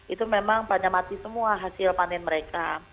itu memang panjamati semua hasil panen mereka